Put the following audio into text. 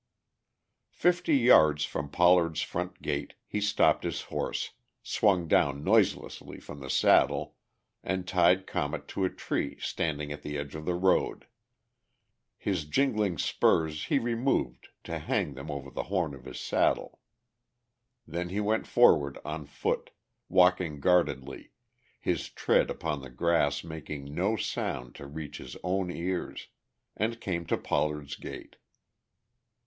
Fifty yards from Pollard's front gate he stopped his horse, swung down noiselessly from the saddle and tied Comet to a tree standing at the edge of the road; his jingling spurs he removed to hang them over the horn of his saddle. Then he went forward on foot, walking guardedly, his tread upon the grass making no sound to reach his own ears, and came to Pollard's gate.